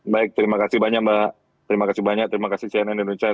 baik terima kasih banyak mbak terima kasih banyak terima kasih cnn indonesia